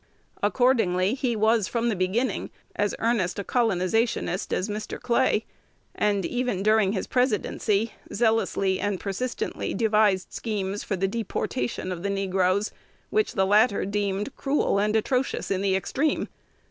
Accordingly, he was, from the beginning, as earnest a colonizationist as Mr. Clay, and, even during his Presidency, zealously and persistently devised schemes for the deportation of the negroes, which the latter deemed cruel and atrocious in the extreme.